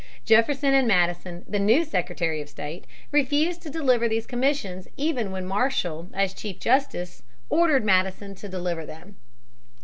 Jefferson and Madison, the new Secretary of State, refused to deliver these commissions even when Marshall as Chief Justice ordered Madison to deliver them.